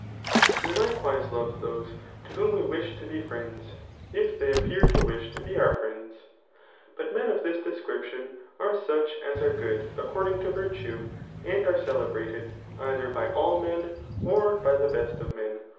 We likewise love those to whom we wish to be friends, if they wp pear to wish to be our friends. But men of this de» scripdon are such as are good according to virtue, and are cddbrated either by all men, or by die best of mcs